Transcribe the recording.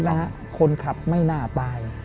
โทษนะคนขับไม่หน้าตาย